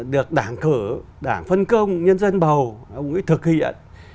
được đảng cử đảng phân công nhân dân bầu thực hiện